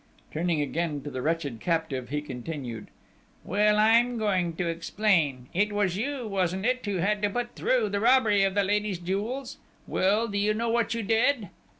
Turning again to the wretched captive, he continued: "Well, I'm going to explain ... it was you, wasn't it, who had to put through the robbery of the lady's jewels?... Well, do you know what you did?